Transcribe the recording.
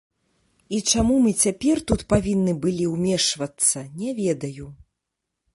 І чаму мы цяпер тут павінны былі ўмешвацца, не ведаю.